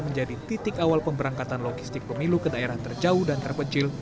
menjadi titik awal pemberangkatan logistik pemilu ke daerah terjauh dan terpencil